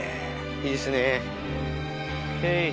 いいですねＯＫ。